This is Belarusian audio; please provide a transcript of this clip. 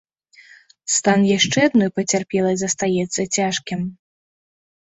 Стан яшчэ адной пацярпелай застаецца цяжкім.